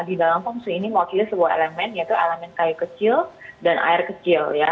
di dalam feng shui ini mewakili sebuah elemen yaitu elemen kayu kecil dan air kecil